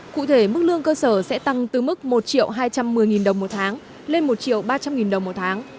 cụ thể mức lương cơ sở sẽ tăng từ mức một hai trăm một mươi đồng một tháng lên một ba trăm linh đồng một tháng